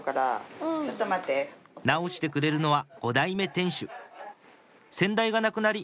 直してくれるのは５代目店主先代が亡くなり